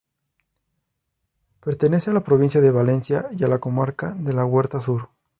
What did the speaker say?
Pertenece a la provincia de Valencia y a la comarca de la Huerta Sur.